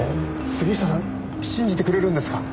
杉下さん信じてくれるんですか？